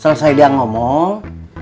sampai dia selesai ngomong